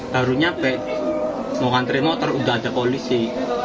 baru nyampe mau ngantri motor udah ada polisi